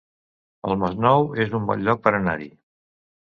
El Masnou es un bon lloc per anar-hi